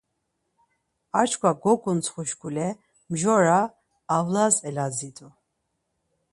Ar çkva goǩuntsxu şkule mjora avlas eladzit̆u.